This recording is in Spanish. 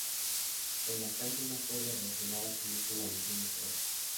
El lactante no puede relacionar a sí mismo la emoción mostrada.